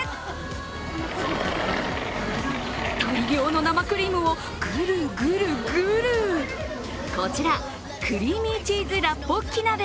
大量の生クリームをぐるぐるぐるこちら、クリーミーチーズラッポッキ鍋。